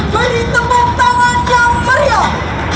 beri tepuk tangan yang meriah